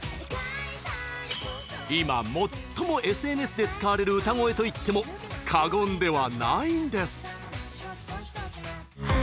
今もっともＳＮＳで使われる歌声と言っても過言ではないんです。